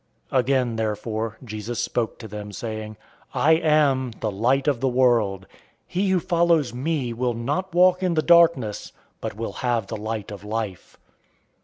008:012 Again, therefore, Jesus spoke to them, saying, "I am the light of the world.{Isaiah 60:1} He who follows me will not walk in the darkness, but will have the light of life."